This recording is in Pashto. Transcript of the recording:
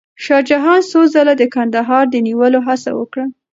شاه جهان څو ځله د کندهار د نیولو هڅه وکړه.